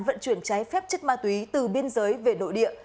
vận chuyển trái phép chất ma túy từ biên giới về nội địa